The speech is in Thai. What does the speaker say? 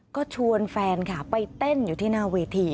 ก็ชวนแฟนค่ะไปเต้นอยู่ที่หน้าเวที